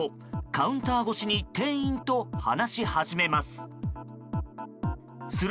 カウンター越しに店員と話し始めます。